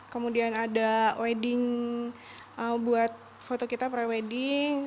kemudian ada wedding buat foto kita pre wedding